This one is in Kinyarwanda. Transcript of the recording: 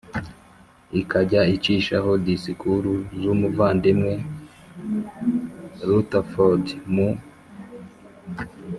ikajya icishaho disikuru z umuvandimwe Rutherford mu